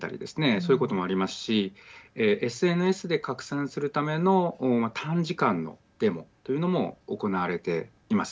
そういうこともありますしＳＮＳで拡散するための短時間のデモというのも行われています。